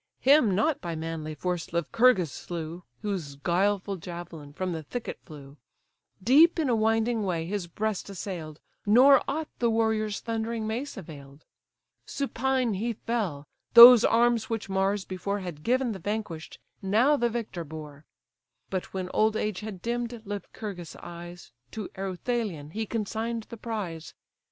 Him not by manly force Lycurgus slew, Whose guileful javelin from the thicket flew, Deep in a winding way his breast assailed, Nor aught the warrior's thundering mace avail'd. Supine he fell: those arms which Mars before Had given the vanquish'd, now the victor bore: But when old age had dimm'd Lycurgus' eyes, To Ereuthalion he consign'd the prize.